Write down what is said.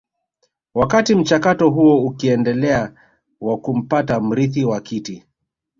Wakati mchakato huo ukiendelea wa kumpata mrithi wa kiti